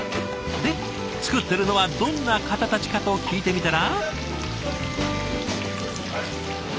で作ってるのはどんな方たちかと聞いてみたら。